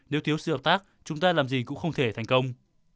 nếu thiếu sự hợp tác chúng ta làm gì cũng không thể thành công